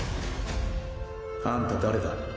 あんた誰だ？